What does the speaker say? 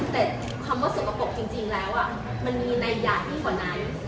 แต่คำว่าสกปรกจริงแล้วมันมีอะไรใหญ่ยิ่งกว่านั้น